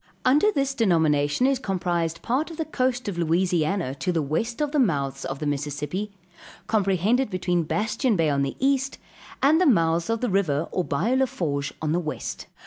Under this denomination is comprised part of the coast of Louisiana to the west of the mouths of the Mississippi, comprehended between Bastien bay on the east, and the mouths of the river or bayou la Fourche on the west.